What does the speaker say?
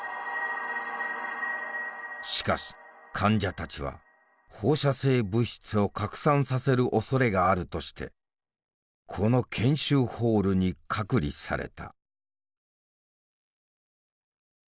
しかし患者たちは放射性物質を拡散させるおそれがあるとしてこの研修ホールに隔離された。